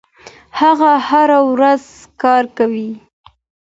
هغه هره ورځ کار کوي.